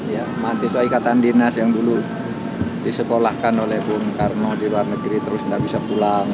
ya mahasiswa ikatan dinas yang dulu disekolahkan oleh bung karno di luar negeri terus tidak bisa pulang